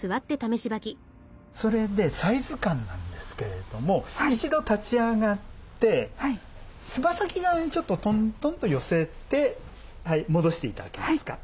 それでサイズ感なんですけれども一度立ち上がってつま先側にちょっとトントンと寄せて戻して頂けますか？